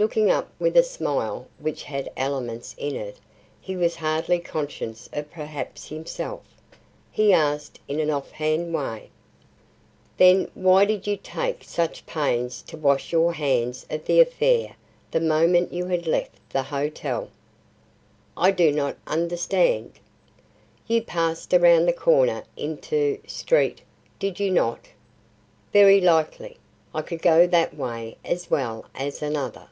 Looking up with a smile which had elements in it he was hardly conscious of perhaps himself, he asked in an off hand way: "Then why did you take such pains to wash your hands of the affair the moment you had left the hotel?" "I do not understand." "You passed around the corner into street, did you not?" "Very likely. I could go that way as well as another."